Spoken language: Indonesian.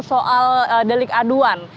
soal delik aduan